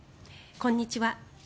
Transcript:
こんにちは。